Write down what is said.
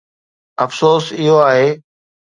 افسوس، اهو آهي.